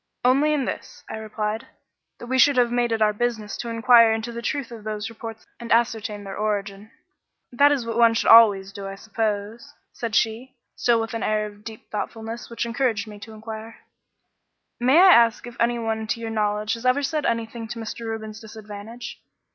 "Only in this," I replied; "that we should have made it our business to inquire into the truth of those reports and ascertain their origin." "That is what one should always do, I suppose," said she, still with an air of deep thoughtfulness which encouraged me to inquire "May I ask if anyone to your knowledge has ever said anything to Mr. Reuben's disadvantage?"